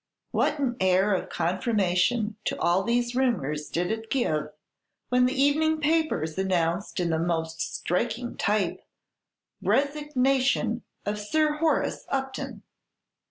What an air of confirmation to all these rumors did it give, when the evening papers announced in the most striking type: Resignation of Sir Horace Upton.